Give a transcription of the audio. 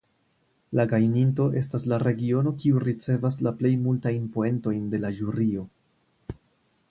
La gajninto estas la regiono kiu ricevas la plej multajn poentojn de la ĵurio.